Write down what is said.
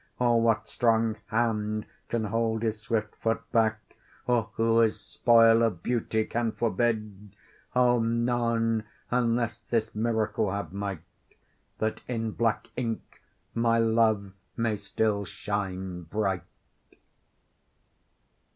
Or what strong hand can hold his swift foot back? Or who his spoil of beauty can forbid? O! none, unless this miracle have might, That in black ink my love may still shine bright.